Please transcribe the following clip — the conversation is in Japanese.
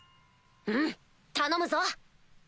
うん頼むぞ。